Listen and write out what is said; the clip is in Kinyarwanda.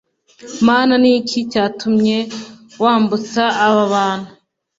Mana ni iki cyatumye wambutsa aba bantu